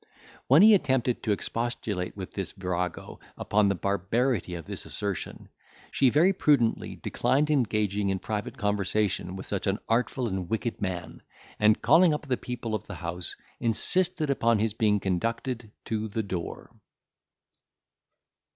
When he attempted to expostulate with this virago, upon the barbarity of this assertion, she very prudently declined engaging in private conversation with such an artful and wicked man; and, calling up the people of the house, insisted upon his being conducted to the door.